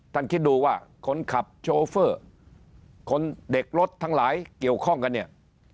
คิดดูว่าคนขับโชเฟอร์คนเด็กรถทั้งหลายเกี่ยวข้องกันเนี่ย